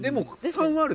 ３はある。